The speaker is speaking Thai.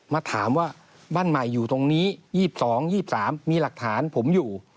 มาถามว่าบ้านใหม่อยู่ตรงนี้๒๒๒๓มีหลักฐานผมอยู่